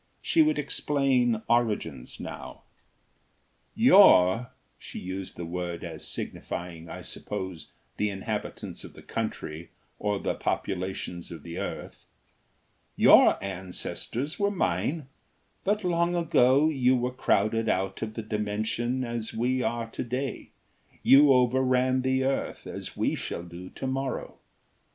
She would explain origins, now. "Your" she used the word as signifying, I suppose, the inhabitants of the country, or the populations of the earth "your ancestors were mine, but long ago you were crowded out of the Dimension as we are to day, you overran the earth as we shall do to morrow.